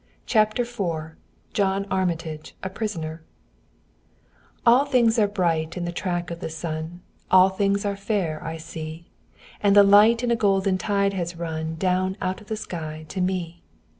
CHAPTER IV JOHN ARMITAGE A PRISONER All things are bright in the track of the sun, All things are fair I see; And the light in a golden tide has run Down out of the sky to me.